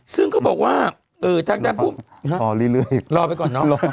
ซึ่งเขาบอกว่าทางด้านผู้รอเรื่อยรอไปก่อนเนอะ